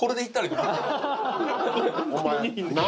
お前